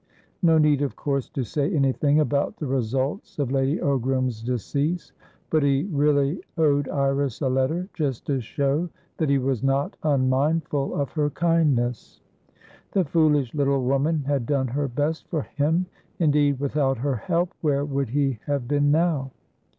No need, of course, to say anything about the results of Lady Ogram's decease, but he really owed Iris a letter, just to show that he was not unmindful of her kindness. The foolish little woman had done her best for him; indeed, without her help, where would he have been now?